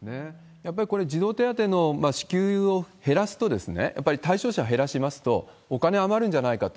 やっぱりこれ、児童手当の支給を減らすと、やっぱり対象者減らしますと、お金余るんじゃないかと、